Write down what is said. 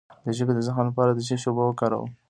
د ژبې د زخم لپاره د څه شي اوبه وکاروم؟